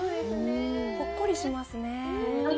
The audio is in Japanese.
ほっこりしますね。